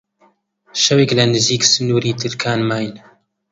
شەوێک لە نزیک سنووری ترکان ماین